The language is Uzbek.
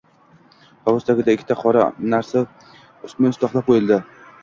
Hovuz tagida... ikkita qora narsa ustma-ust taxlab qo‘yildi.